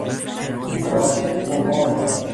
او عاشق قمار بود.